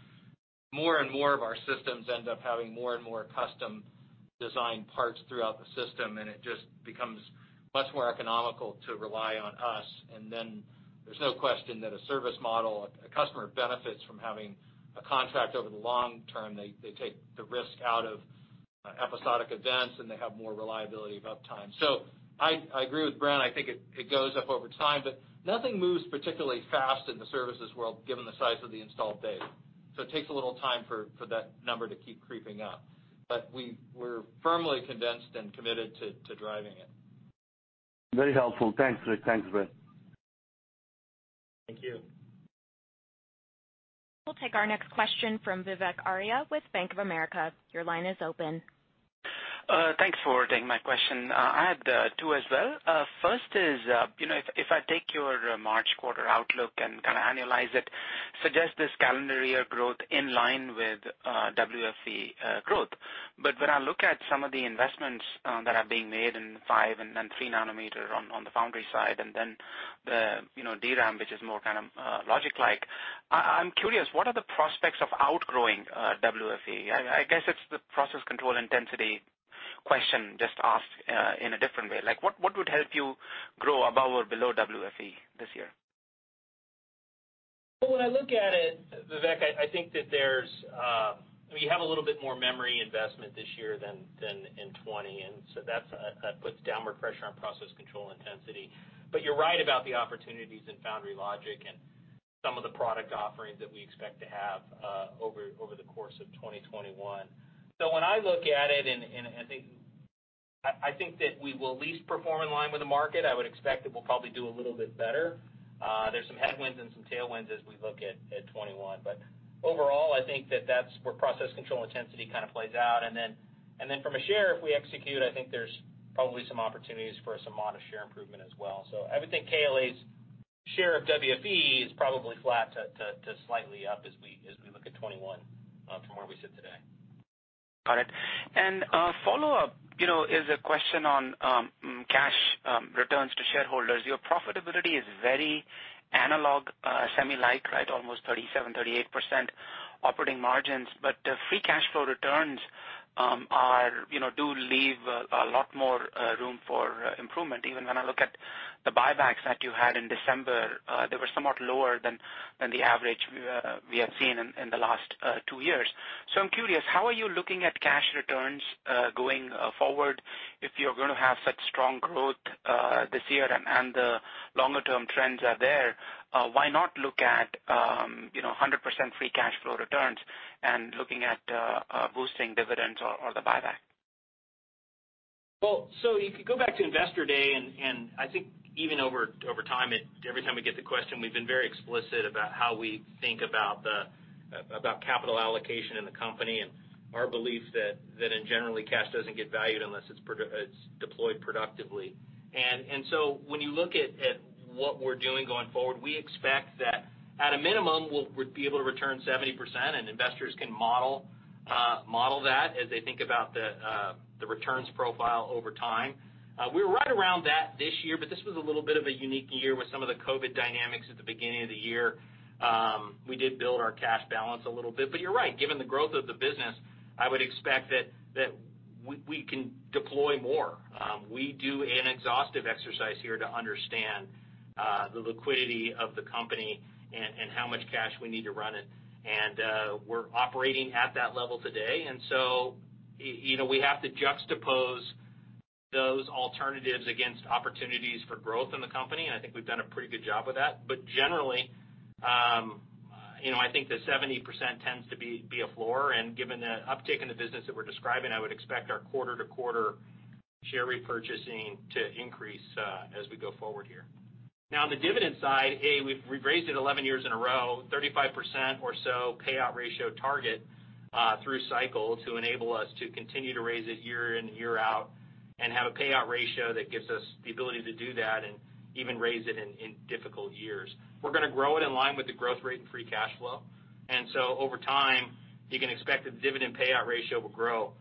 more and more of our systems end up having more and more custom design parts throughout the system, it just becomes much more economical to rely on us. There's no question that a service model, a customer benefits from having a contract over the long term. They take the risk out of episodic events, and they have more reliability of uptime. I agree with Bren. I think it goes up over time, nothing moves particularly fast in the services world given the size of the installed base. It takes a little time for that number to keep creeping up. We're firmly convinced and committed to driving it. Very helpful. Thanks, Rick. Thanks, Bren. Thank you. We'll take our next question from Vivek Arya with Bank of America. Your line is open. Thanks for taking my question. I had two as well. First is, if I take your March quarter outlook and kind of annualize it, suggest this calendar year growth in line with WFE growth. When I look at some of the investments that are being made in 5 and then 3 nanometer on the foundry side, and then the DRAM, which is more kind of logic-like, I'm curious, what are the prospects of outgrowing WFE? I guess it's the process control intensity question, just asked in a different way. What would help you grow above or below WFE this year? When I look at it, Vivek, I think that we have a little bit more memory investment this year than in 2020, and so that puts downward pressure on process control intensity. You're right about the opportunities in foundry logic and some of the product offerings that we expect to have over the course of 2021. When I look at it, I think that we will at least perform in line with the market. I would expect that we'll probably do a little bit better. There's some headwinds and some tailwinds as we look at 2021. Overall, I think that that's where process control intensity kind of plays out. From a share, if we execute, I think there's probably some opportunities for some modest share improvement as well. I would think KLA's share of WFE is probably flat to slightly up as we look at 2021 from where we sit today. Got it. A follow-up is a question on cash returns to shareholders. Your profitability is very analog, semi-like, right? Almost 37%, 38% operating margins, free cash flow returns do leave a lot more room for improvement. Even when I look at the buybacks that you had in December, they were somewhat lower than the average we have seen in the last two years. I'm curious, how are you looking at cash returns going forward if you're going to have such strong growth this year and the longer-term trends are there? Why not look at 100% free cash flow returns and looking at boosting dividends or the buyback? If you go back to Investor Day, I think even over time, every time we get the question, we've been very explicit about how we think about capital allocation in the company, and our belief that in generally, cash doesn't get valued unless it's deployed productively. When you look at what we're doing going forward, we expect that at a minimum, we'll be able to return 70%, and investors can model that as they think about the returns profile over time. We're right around that this year, but this was a little bit of a unique year with some of the COVID dynamics at the beginning of the year. We did build our cash balance a little bit. You're right, given the growth of the business, I would expect that we can deploy more. We do an exhaustive exercise here to understand the liquidity of the company and how much cash we need to run it. We're operating at that level today, we have to juxtapose those alternatives against opportunities for growth in the company, and I think we've done a pretty good job of that. Generally, I think the 70% tends to be a floor, and given the uptick in the business that we're describing, I would expect our quarter-to-quarter share repurchasing to increase as we go forward here. The dividend side, we've raised it 11 years in a row, 35% or so payout ratio target, through cycle to enable us to continue to raise it year in, year out and have a payout ratio that gives us the ability to do that and even raise it in difficult years. We're going to grow it in line with the growth rate and free cash flow. Over time, you can expect the dividend payout ratio will grow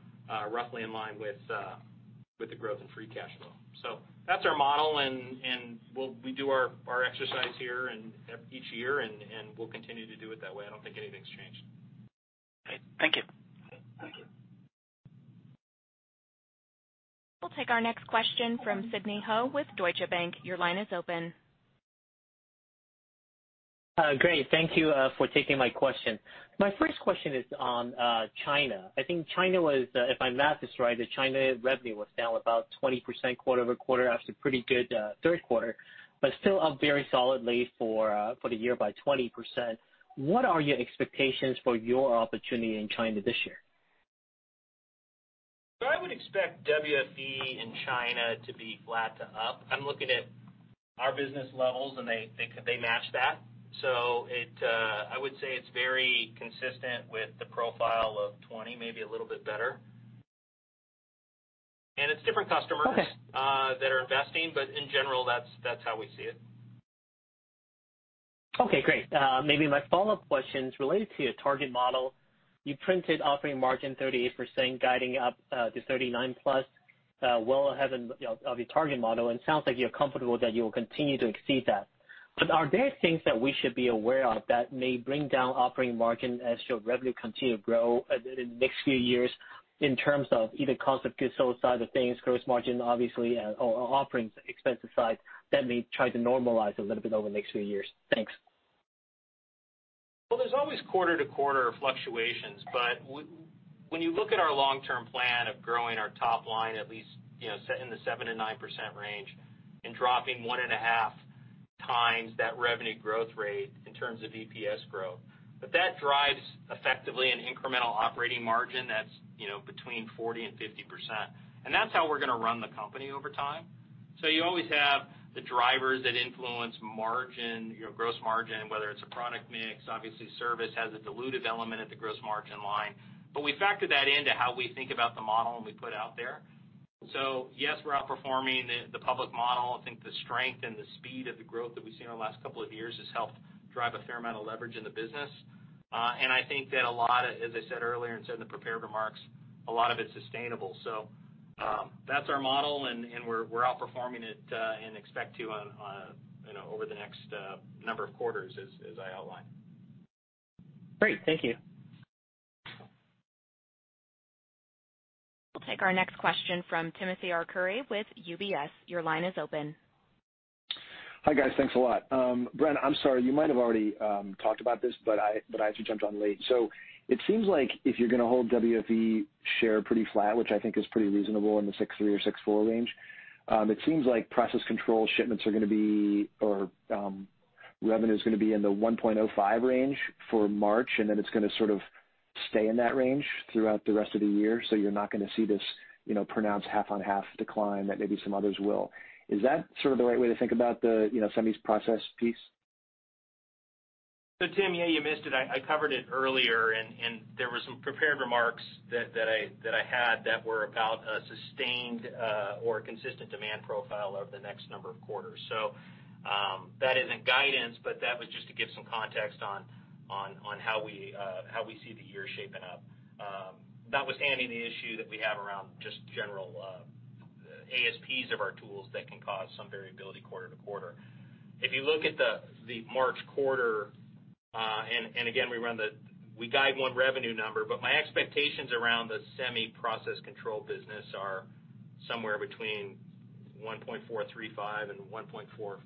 roughly in line with the growth in free cash flow. That's our model, and we do our exercise here and each year, and we'll continue to do it that way. I don't think anything's changed. Great. Thank you. Thank you. We'll take our next question from Sidney Ho with Deutsche Bank. Your line is open. Great. Thank you for taking my question. My first question is on China. I think China was, if my math is right, the China revenue was down about 20% quarter-over-quarter after pretty good third quarter, but still up very solidly for the year by 20%. What are your expectations for your opportunity in China this year? I would expect WFE in China to be flat to up. I'm looking at our business levels, and they match that. I would say it's very consistent with the profile of 2020, maybe a little bit better. It's different customers. Okay. that are investing, but in general, that's how we see it. Okay, great. Maybe my follow-up question is related to your target model. You printed operating margin 38%, guiding up to 39% plus, well ahead of your target model. Sounds like you're comfortable that you will continue to exceed that. Are there things that we should be aware of that may bring down operating margin as your revenue continue to grow in the next few years in terms of either cost of goods sold side of things, gross margin, obviously, or operating expenses side that may try to normalize a little bit over the next few years? Thanks. Well, there's always quarter-to-quarter fluctuations, but when you look at our long-term plan of growing our top line, at least set in the 7%-9% range and dropping 1.5 times that revenue growth rate in terms of EPS growth. That drives effectively an incremental operating margin that's between 40%-50%. That's how we're going to run the company over time. You always have the drivers that influence margin, your gross margin, whether it's a product mix. Obviously, service has a dilutive element at the gross margin line. We factor that into how we think about the model and we put out there. Yes, we're outperforming the public model. I think the strength and the speed of the growth that we've seen over the last couple of years has helped drive a fair amount of leverage in the business. I think that a lot, as I said earlier and said in the prepared remarks, a lot of it's sustainable. That's our model, and we're outperforming it, and expect to over the next number of quarters as I outlined. Great. Thank you. We'll take our next question from Timothy Arcuri with UBS. Your line is open. Hi guys. Thanks a lot. Bren, I'm sorry, you might have already talked about this. I actually jumped on late. It seems like if you're going to hold WFE share pretty flat, which I think is pretty reasonable in the 63% or 64% range, it seems like process control shipments are going to be, or revenue is going to be in the $1.05 range for March. It's going to sort of stay in that range throughout the rest of the year. You're not going to see this pronounced half-on-half decline that maybe some others will. Is that sort of the right way to think about the semi process piece? Tim, yeah, you missed it. I covered it earlier, there were some prepared remarks that I had that were about a sustained or consistent demand profile over the next number of quarters. That isn't guidance, that was just to give some context on how we see the year shaping up. That was adding the issue that we have around just general ASPs of our tools that can cause some variability quarter-to-quarter. If you look at the March quarter, again, we guide one revenue number, my expectations around the semi process control business are somewhere between $1.435 and $1.455,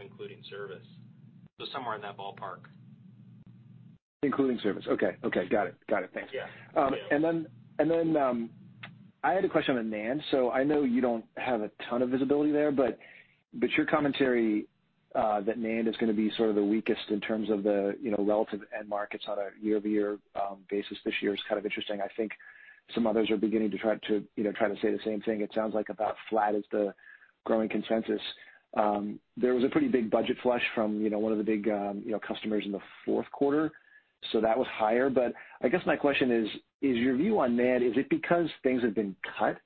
including service. Somewhere in that ballpark. Including service, okay. Got it. Thanks. Yeah. I had a question on NAND. I know you don't have a ton of visibility there, but your commentary that NAND is going to be sort of the weakest in terms of the relative end markets on a year-over-year basis this year is kind of interesting. I think some others are beginning to try to say the same thing. It sounds like about flat is the growing consensus. There was a pretty big budget flush from one of the big customers in the fourth quarter, so that was higher. I guess my question is your view on NAND, is it because things have been cut,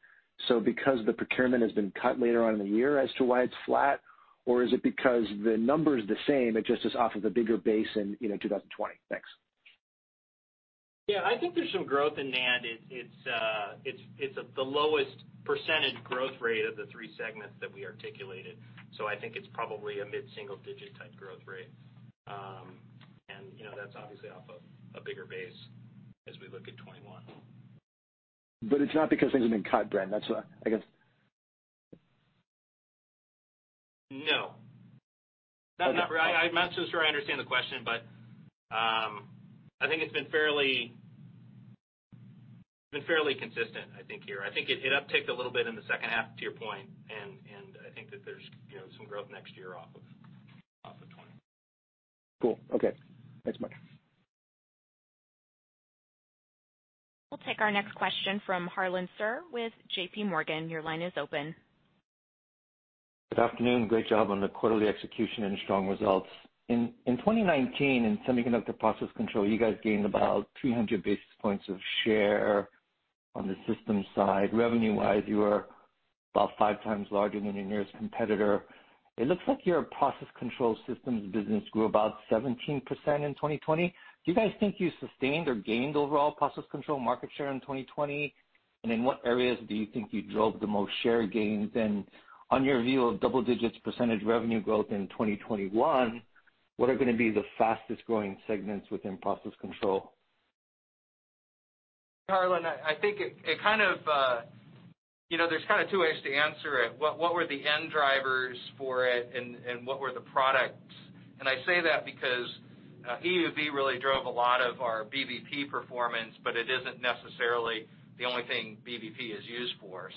so because the procurement has been cut later on in the year as to why it's flat? Is it because the number's the same, it just is off of the bigger base in 2020? Thanks. I think there's some growth in NAND. It's the lowest percentage growth rate of the three segments that we articulated. I think it's probably a mid-single digit type growth rate. That's obviously off of a bigger base as we look at 2021. It's not because things have been cut, Bren. No. I'm not so sure I understand the question, but, I think it's been fairly consistent, I think, here. I think it upticked a little bit in the second half, to your point, and I think that there's some growth next year off of 2020. Cool. Okay. Thanks much. We'll take our next question from Harlan Sur with JPMorgan. Your line is open. Good afternoon. Great job on the quarterly execution and strong results. In 2019, in semiconductor process control, you guys gained about 300 basis points of share on the systems side. Revenue-wise, you were about five times larger than your nearest competitor. It looks like your process control systems business grew about 17% in 2020. Do you guys think you sustained or gained overall process control market share in 2020? In what areas do you think you drove the most share gains? On your view of double digits percentage revenue growth in 2021, what are going to be the fastest growing segments within process control? Harlan, I think there's kind of two ways to answer it. What were the end drivers for it, and what were the products? I say that because EUV really drove a lot of our BBP performance, but it isn't necessarily the only thing BBP is used for.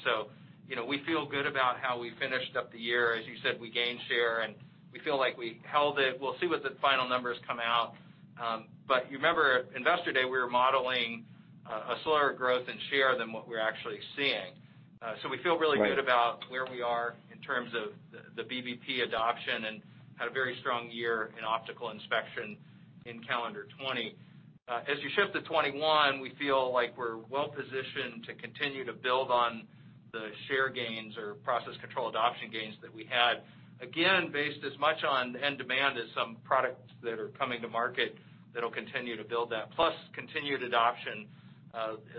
We feel good about how we finished up the year. As you said, we gained share, and we feel like we held it. We'll see what the final numbers come out. You remember, Investor Day, we were modeling a slower growth in share than what we're actually seeing. We feel really good about where we are in terms of the BBP adoption and had a very strong year in optical inspection in calendar 2020. As you shift to 2021, we feel like we're well-positioned to continue to build on the share gains or process control adoption gains that we had. Based as much on end demand as some products that are coming to market that'll continue to build that, plus continued adoption.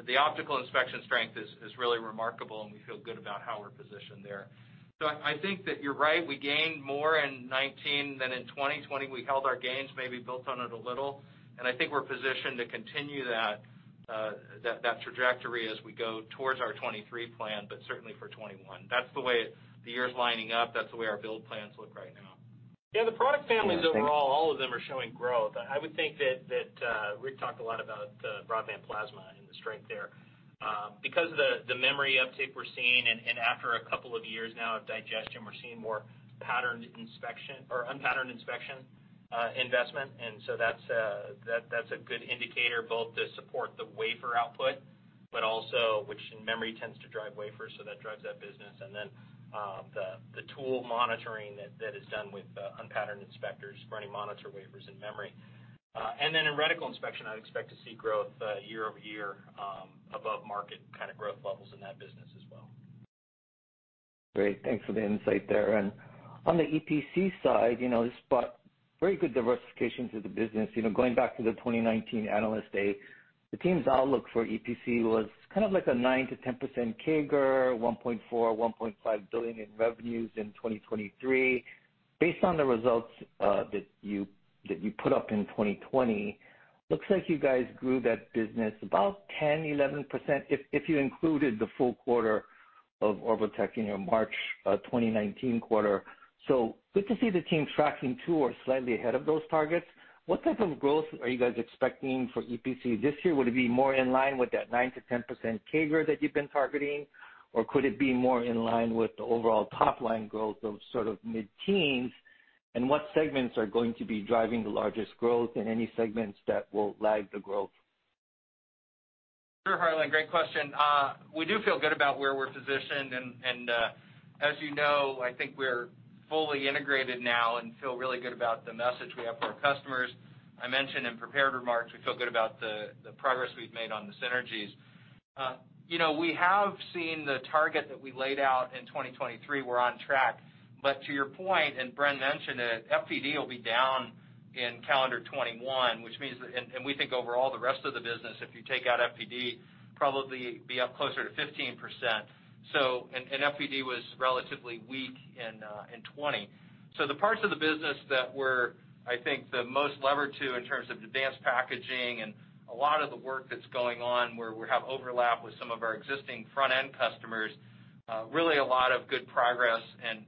The optical inspection strength is really remarkable, we feel good about how we're positioned there. I think that you're right, we gained more in 2019 than in 2020. We held our gains, maybe built on it a little. I think we're positioned to continue that trajectory as we go towards our 2023 plan, but certainly for 2021. That's the way the year's lining up. That's the way our build plans look right now. Yeah, thanks. The product families overall, all of them are showing growth. I would think that Rick talked a lot about the broadband plasma and the strength there. Because of the memory uptick we're seeing, and after a couple of years now of digestion, we're seeing more unpatterned inspection investment. That's a good indicator both to support the wafer output, but also which in memory tends to drive wafers, so that drives that business. The tool monitoring that is done with unpatterned inspectors for any monitor wafers in memory. In reticle inspection, I'd expect to see growth year-over-year above market kind of growth levels in that business as well. Great. Thanks for the insight there. On the EPC side, this brought very good diversification to the business. Going back to the 2019 Investor Day, the team's outlook for EPC was kind of like a 9%-10% CAGR, $1.4 billion-$1.5 billion in revenues in 2023. Based on the results that you put up in 2020, looks like you guys grew that business about 10%-11%, if you included the full quarter of Orbotech in your March 2019 quarter. Good to see the team tracking to or slightly ahead of those targets. What type of growth are you guys expecting for EPC this year? Would it be more in line with that 9%-10% CAGR that you've been targeting? Could it be more in line with the overall top-line growth of sort of mid-teens? What segments are going to be driving the largest growth, and any segments that will lag the growth? Sure, Harlan. Great question. We do feel good about where we're positioned, and as you know, I think we're fully integrated now and feel really good about the message we have for our customers. I mentioned in prepared remarks, we feel good about the progress we've made on the synergies. We have seen the target that we laid out in 2023. We're on track. To your point, and Bren mentioned it, FPD will be down in calendar 2021, and we think overall the rest of the business, if you take out FPD, probably be up closer to 15%. FPD was relatively weak in 2020. The parts of the business that were, I think, the most levered to in terms of advanced packaging and a lot of the work that's going on where we have overlap with some of our existing front-end customers, really a lot of good progress. As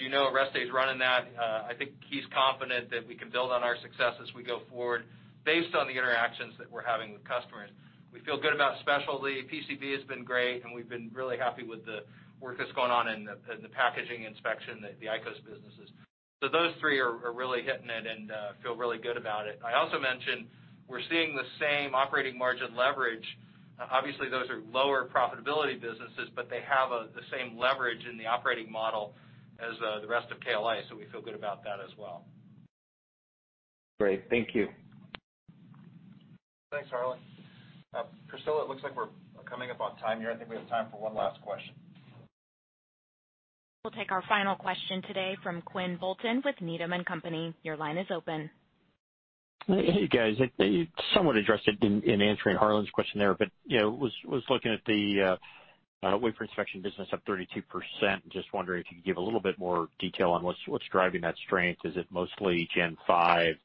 you know, Oreste is running that. I think he's confident that we can build on our success as we go forward based on the interactions that we're having with customers. We feel good about specialty. PCB has been great, and we've been really happy with the work that's going on in the packaging inspection, the ICOS businesses. Those three are really hitting it and feel really good about it. I also mentioned we're seeing the same operating margin leverage. Obviously, those are lower profitability businesses, but they have the same leverage in the operating model as the rest of KLA, so we feel good about that as well. Great. Thank you. Thanks, Harlan. Priscilla, it looks like we're coming up on time here. I think we have time for one last question. We'll take our final question today from Quinn Bolton with Needham & Company. Your line is open. Hey, guys. You somewhat addressed it in answering Harlan's question there, but I was looking at the wafer inspection business up 32%, just wondering if you could give a little bit more detail on what's driving that strength. Is it mostly Gen5?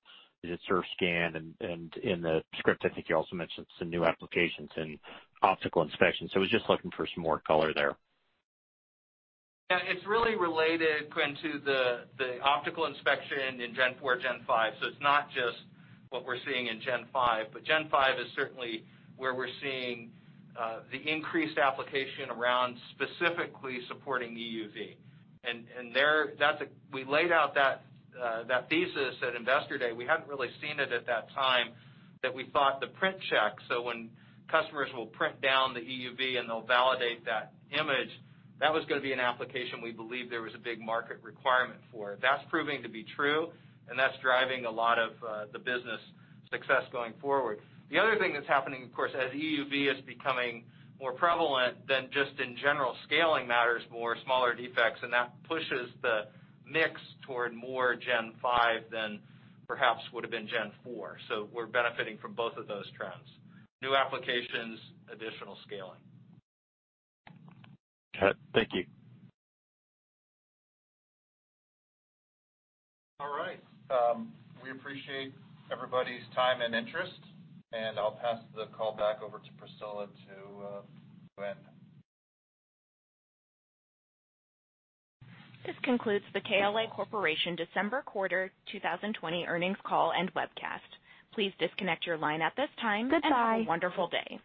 Is it Surfscan? In the script, I think you also mentioned some new applications in optical inspection. I was just looking for some more color there. Yeah, it's really related, Quinn, to the optical inspection in Gen4, Gen5. It's not just what we're seeing in Gen5, but Gen5 is certainly where we're seeing the increased application around specifically supporting EUV. We laid out that thesis at Investor Day. We hadn't really seen it at that time, that we thought the Print Check, so when customers will print down the EUV and they'll validate that image, that was going to be an application we believe there was a big market requirement for. That's proving to be true, and that's driving a lot of the business success going forward. The other thing that's happening, of course, as EUV is becoming more prevalent, then just in general, scaling matters more, smaller defects, and that pushes the mix toward more Gen5 than perhaps would have been Gen4. We're benefiting from both of those trends, new applications, additional scaling. Okay, thank you. All right. We appreciate everybody's time and interest, and I'll pass the call back over to Priscilla to end. This concludes the KLA Corporation December Quarter 2020 Earnings Call and Webcast. Please disconnect your line at this time. Goodbye. Have a wonderful day.